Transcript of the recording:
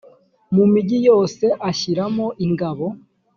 mu migi yose ashyiramo ingabo